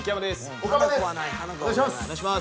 お願いします。